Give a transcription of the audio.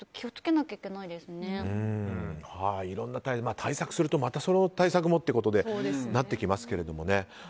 いろんな対策するとまたその対策もとなってきますけれどもね。